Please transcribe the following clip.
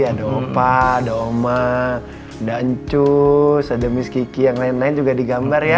ada opah ada oma ada ncus ada miss kiki yang lain lain juga digambar ya